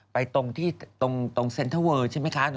ไปตรงที่ตรงเซ็นเทอร์เวิร์ดใช่ไหมคะ